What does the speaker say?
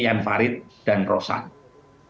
jan farid dan roslani